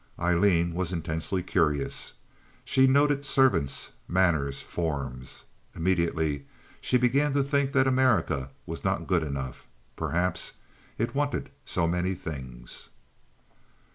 Aileen was intensely curious. She noted servants, manners, forms. Immediately she began to think that America was not good enough, perhaps; it wanted so many things.